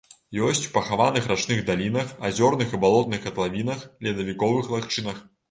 Ёсць у пахаваных рачных далінах, азёрных і балотных катлавінах, ледавіковых лагчынах.